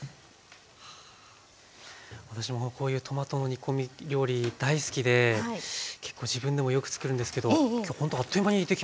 私もこういうトマトの煮込み料理大好きで結構自分でもよくつくるんですけど今日ほんとあっという間にできますね。